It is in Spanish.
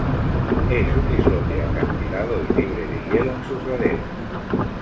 Es un islote acantilado y libre de hielo en sus laderas.